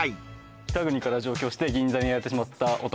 北国から上京して銀座にやられてしまった男